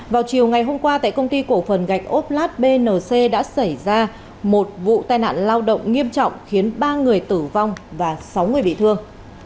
vào chiều ngày hôm qua tại công ty cổ phần gạch ốp lát bnc đã xảy ra một vụ tai nạn lao động nghiêm trọng khiến ba người tử vong và sáu người bị thương